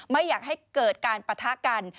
ไม่อยากให้เกิดการปะทะกัน